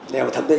đều thật định